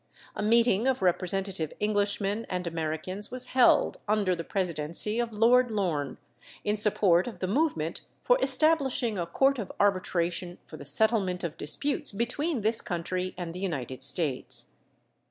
A meeting of representative Englishmen and Americans was held, under the presidency of Lord Lorne, in support of the movement for establishing a Court of Arbitration for the settlement of disputes between this country and the United States.